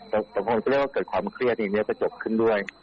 แต่บางครั้งจะเรียกว่าเกิดความเครียดที่มีกระจกขึ้นด้วย